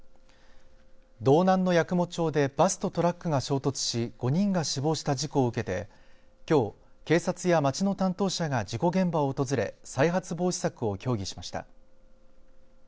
道南の八雲町でバスとトラックが衝突し５人が死亡した事故を受けてきょう、警察や町の担当者が事故現場を訪れ再発防止策を協議しました。